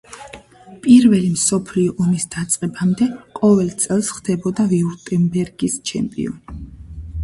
პირველი მსოფლიო ომის დაწყებამდე ყოველ წელს ხდებოდა ვიურტემბერგის ჩემპიონი.